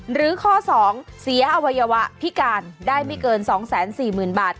หรือข้อ๒เสียอวัยวะพิการได้ไม่เกิน๒๔๐๐๐บาท